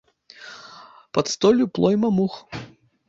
Пад столлю плойма мух.